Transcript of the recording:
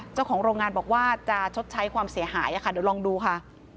เจ้าของโรงงานบอกว่าจะชดใช้ความเสียหายค่ะเดี๋ยวลองดูค่ะ